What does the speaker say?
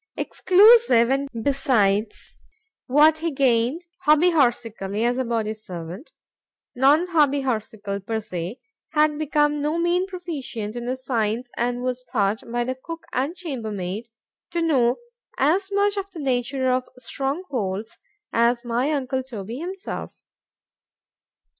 exclusive and besides what he gained HOBBY HORSICALLY, as a body servant, Non Hobby Horsical per se;——had become no mean proficient in the science; and was thought, by the cook and chamber maid, to know as much of the nature of strong holds as my uncle Toby himself.